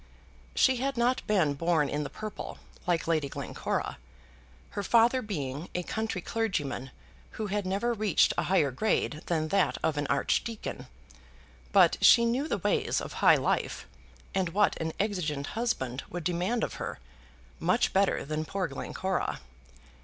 She had not been born in the purple, like Lady Glencora, her father being a country clergyman who had never reached a higher grade than that of an archdeacon; but she knew the ways of high life, and what an exigeant husband would demand of her, much better than poor Glencora.